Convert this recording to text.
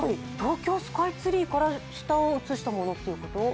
東京スカイツリーから下を映したものってこと？